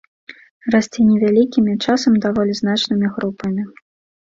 Расце невялікімі, часам даволі значнымі групамі.